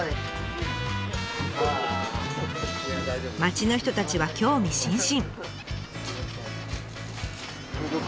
町の人たちは興味津々。